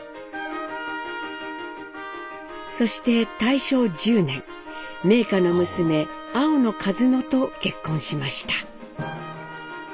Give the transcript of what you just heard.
そして大正１０年名家の娘青野カズノと結婚しました。